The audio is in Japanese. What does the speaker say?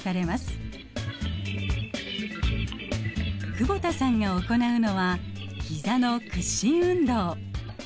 久保田さんがおこなうのはひざの屈伸運動。